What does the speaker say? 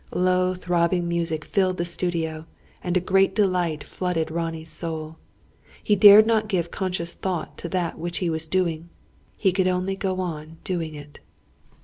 Low throbbing music filled the studio, and a great delight flooded Ronnie's soul. He dared not give conscious thought to that which he was doing; he could only go on doing it.